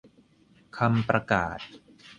คำประกาศ